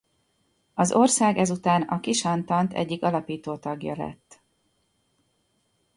Az ország ezután a kisantant egyik alapító tagja lett.